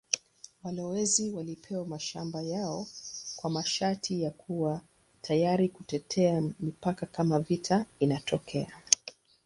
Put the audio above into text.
Walowezi walipewa mashamba yao kwa masharti ya kuwa tayari kutetea mipaka kama vita inatokea.